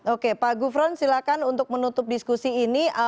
oke pak gufron silahkan untuk menutup diskusi ini